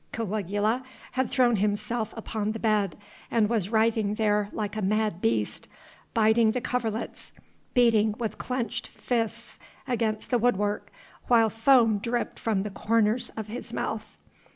Caligula had thrown himself upon the bed and was writhing there like a mad beast, biting the coverlets, beating with clenched fists against the woodwork, while foam dripped from the corners of his mouth.